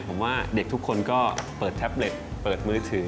ผมว่าเด็กทุกคนก็เปิดแท็บเล็ตเปิดมือถือ